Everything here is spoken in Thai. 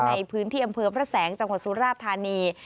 ในพื้นที่อำเภอพระแสงจังหวัดสุราธานี